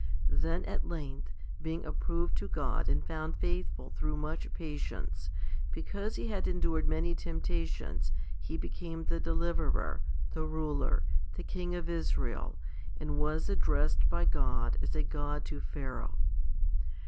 Then at length, being approved to God and found faithful through much patience, because he had endured many temptations, he became the deliverer, the ruler, the king of Israel, and was addressed by God as a God to Pharaoh?